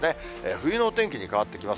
冬のお天気に変わってきます。